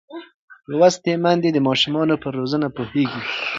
لوستې میندې د ماشوم پر روزنه پوهېږي.